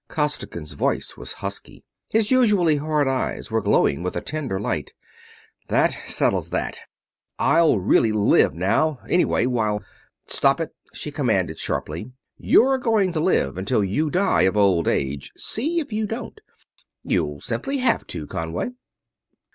Costigan's voice was husky, his usually hard eyes were glowing with a tender light. "That settles that. I'll really live now, anyway, while...." "Stop it!" she commanded, sharply. "You're going to live until you die of old age see if you don't. You'll simply have to, Conway!"